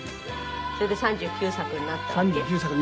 それで３９作になったわけ？